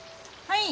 はい。